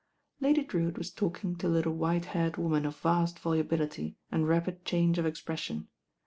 Lady Drewitt was talking to a little white haired woman of vast volubility and rapid change of expres sion.